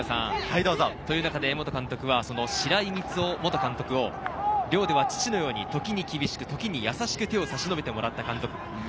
江本監督は白井三津雄元監督を寮では父のように時に厳しく、時に優しく手を差し伸べてもらった監督。